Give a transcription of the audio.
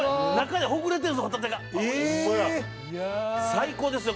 最高ですよ。